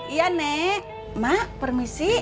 iya ne ma permisi